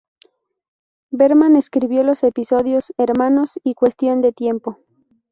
Berman escribió los episodios "Hermanos" y "Cuestión de tiempo".